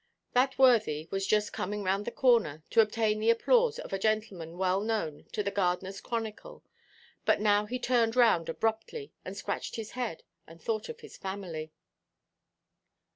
That worthy was just coming round the corner, to obtain the applause of a gentleman well known to the Gardenerʼs Chronicle; but now he turned round abruptly, and scratched his head, and thought of his family.